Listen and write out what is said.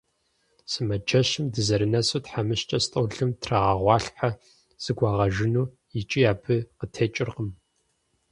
Сымаджэщым дызэрынэсу тхьэмыщкӀэр стӀолым трагъэгъуалъхьэ зэгуагъэжыну, икӀи абы къытекӀыркъым…